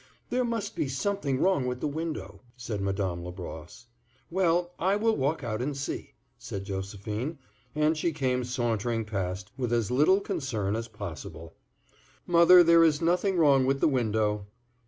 "There must be something wrong with the window," said Madame Labrosse. "Well, I will walk out and see," said Josephine, and she came sauntering past with as little concern as possible. "Mother, there is nothing wrong with the window."